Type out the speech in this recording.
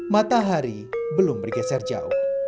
matahari belum bergeser jauh